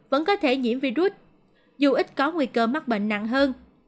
vẫn có thể nhiễm virus dù ít có nguy cơ mắc bệnh nặng hơn